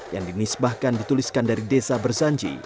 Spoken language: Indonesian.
yang dinisbahkan dituliskan dari desa berzanji